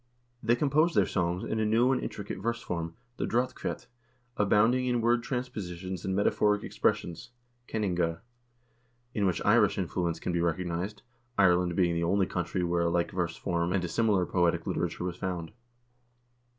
They composed their songs in a new and intri cate verse form, the drottkvcett, abounding in word transpositions and metaphoric expressions (kenningar), in which Irish influence can be recognized, Ireland being the only country where a like verse form and a similar poetic literature was found.